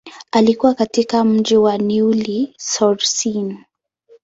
Alikua katika mji wa Neuilly-sur-Seine.